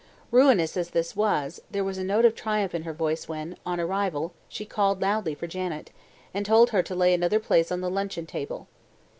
Ruinous as this was, there was a note of triumph in her voice when, on arrival, she called loudly for Janet, and told her to lay another place on the luncheon table.